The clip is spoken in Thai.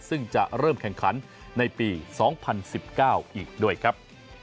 ซึ่งจะเริ่มแข่งขันในปี๒๐๑๙อีกด้วยครับ